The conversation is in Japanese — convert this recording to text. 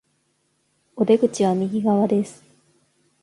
お出口は右側です